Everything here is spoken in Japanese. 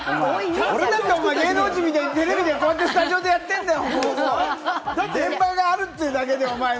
俺だっておまえ、芸能人みたいにテレビでこうやってスタジオでやってんだろ！